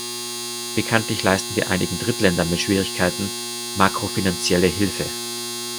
Bekanntlich leisten wir einigen Drittländern mit Schwierigkeiten makrofinanzielle Hilfe.